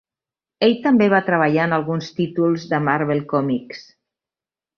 Ell també va treballar en alguns títols de Marvel Comics.